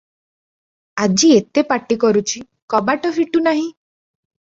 ଆଜି ଏତେ ପାଟି କରୁଛି, କବାଟ ଫିଟୁ ନାହିଁ ।